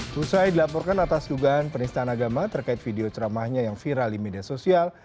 selesai dilaporkan atas dugaan penistaan agama terkait video ceramahnya yang viral di media sosial